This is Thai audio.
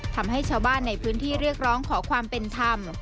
ทำให้ชาวบ้านในพื้นที่เรียกร้องขอความเป็นธรรม